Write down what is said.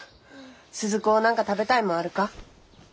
鈴子何か食べたいもんあるか？